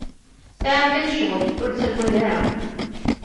Sɛiɣ kan cɣel, ur taggad ara.